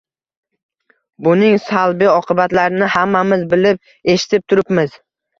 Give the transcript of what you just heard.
Buning salbiy oqibatlarini hammamiz bilib, eshitib turibmiz.